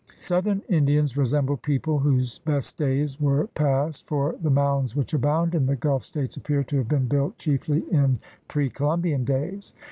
The south ern Indians resemble people whose best days were past, for the mounds which abound in the Gulf States appear to have been built chiefly in pre Columbian days.